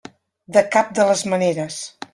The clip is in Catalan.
De cap de les maneres.